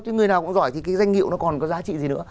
chứ người nào cũng giỏi thì cái danh hiệu nó còn có giá trị gì nữa